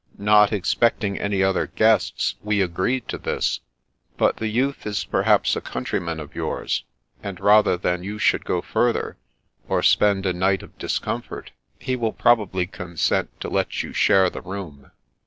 " Not expect ing any other guests, we agreed to this; but the youth is perhaps a countryman of yours, and rather than you should go further, or spend a night of discomfort, he will probably consent to let you share the room."